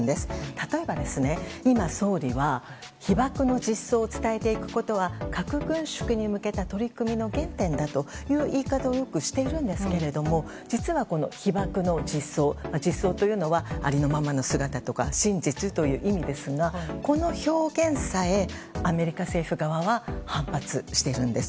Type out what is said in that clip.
例えば、今総理は被爆の実相を伝えていくことは核軍縮に向けた取り組みの原点だという言い方をよくしているんですけれども実は被爆の実相実相というのはありのままの姿とか真実という意味ですがこの表現さえアメリカ政府側は反発しているんです。